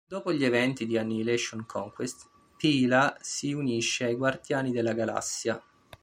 Dopo gli eventi di Annihilation Conquest, Phyla si unisce ai Guardiani della Galassia.